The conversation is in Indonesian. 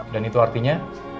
dan itu artinya